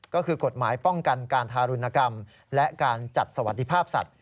ก็คือกฎหมายป้องกันการทารุณกรรมและการจัดสวัสดิภาพสัตว